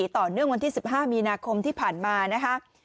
ต่อเนื่องวันที่๑๕มีนาคมที่ผ่านมานะคะ